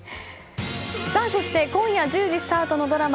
今夜１０時スタートのドラマ